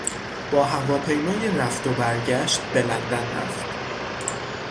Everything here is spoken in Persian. با هواپیمای رفت و برگشت به لندن رفت.